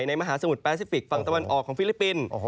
มหาสมุทรแปซิฟิกฝั่งตะวันออกของฟิลิปปินส์